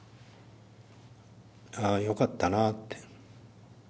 ああよかったなって。